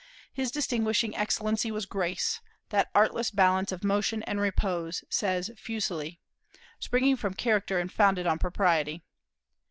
His distinguishing excellency was grace, "that artless balance of motion and repose," says Fuseli, "springing from character and founded on propriety."